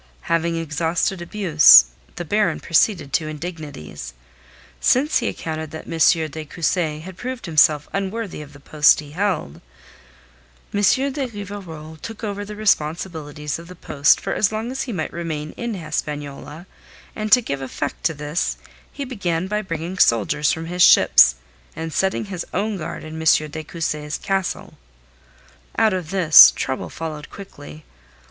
Having exhausted abuse, the Baron proceeded to indignities. Since he accounted that M. de Cussy had proved himself unworthy of the post he held, M. de Rivarol took over the responsibilities of that post for as long as he might remain in Hispaniola, and to give effect to this he began by bringing soldiers from his ships, and setting his own guard in M. de Cussy's castle. Out of this, trouble followed quickly.